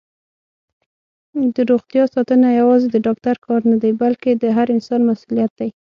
دروغتیا ساتنه یوازې د ډاکټر کار نه دی، بلکې د هر انسان مسؤلیت دی.